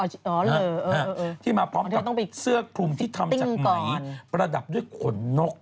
ที่มาพร้อมกับเสื้อคลุมที่ทำจากไหนประดับด้วยขนนก